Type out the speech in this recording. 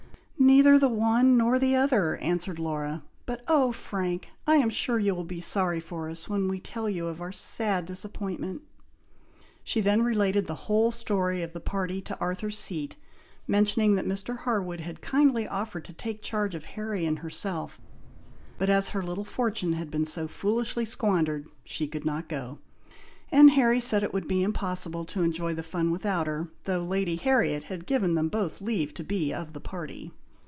"Neither the one nor the other," answered Laura. "But, oh! Frank, I am sure you will be sorry for us, when we tell you of our sad disappointment!" She then related the whole story of the party to Arthur's Seat, mentioning that Mr. Harwood had kindly offered to take charge of Harry and herself, but as her little fortune had been so foolishly squandered, she could not go, and Harry said it would be impossible to enjoy the fun without her, though Lady Harriet had given them both leave to be of the party.